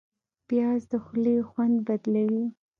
پیاز د خولې خوند بدلوي